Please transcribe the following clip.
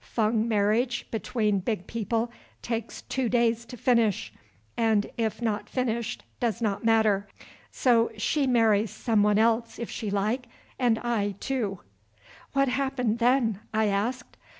Fung marriage between big people takes two days to finish, and if not finished does not matter. So she marry some one else if she like, and I too." "What happened then?" I asked.